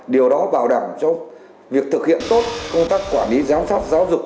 điều đó bảo đảm cho việc thực hiện tốt công tác quản lý giám sát giáo dục